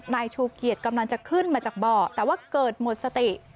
นายชูเกียจกำลังจะขึ้นมาจากเบาะแต่ว่าเกิดหมดสติ